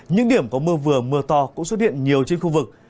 những điểm có mưa vừa mưa to cũng xuất hiện nhiều trên khu vực